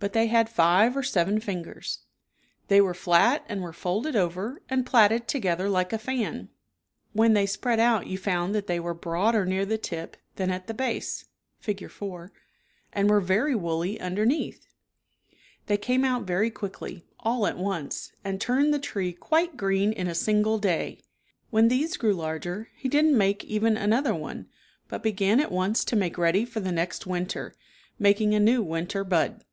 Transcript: But they had five or seven fingers. They were flat and were folded over and plaited together like a fan. When they spread out you ^ V, found that they were broader /''■^\"^^''*^^ *''P *^^"^*^^^ b^^ t'\ ^i '/'• (F'g 4) ^"*^ were /' 'J jT^i very woolly uii ' demeath. mm0 They came out very quickly, all ~^.\ at once, and turned ,J^^ V> the tree quite green •KjE'it^ in a single day. When these grew larger he didn't make even another one, but began at once to make ready for the next winter, making a new win ter bud.